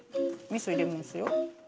みそ入れますよ。